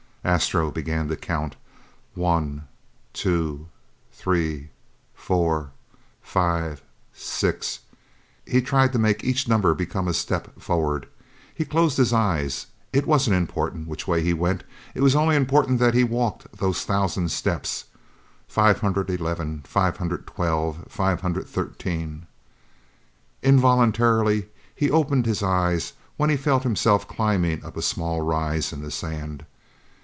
Astro began to count. "One two three four five six " He tried to make each number become a step forward. He closed his eyes. It wasn't important which way he went. It was only important that he walk those thousand steps, "five hundred eleven five hundred twelve five hundred thirteen " Involuntarily he opened his eyes when he felt himself climbing up a small rise in the sand.